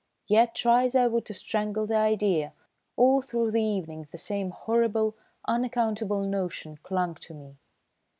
Yet, try as I would to strangle the idea, all through the evening the same horrible, unaccountable notion clung to me.